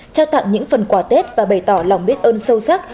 trao tặng những phần quà tết và bày tỏ lòng biết ơn sâu sắc